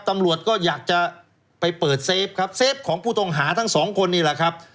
ตำรวจก็อยากจะไปเปิดเซฟครับเซฟของผู้ต้องหาทั้งสองคนนี่แหละครับ